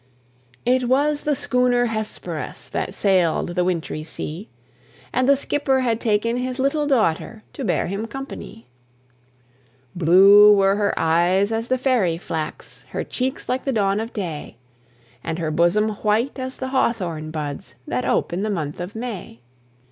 It was the schooner Hesperus, That sailed the wintry sea; And the skipper had taken his little daughter, To bear him company. Blue were her eyes as the fairy flax, Her cheeks like the dawn of day, And her bosom white as the hawthorn buds That ope in the month of May.